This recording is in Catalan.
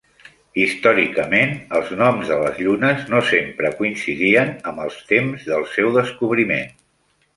Històricament, els noms de les llunes no sempre coincidien amb els temps del seu descobriment.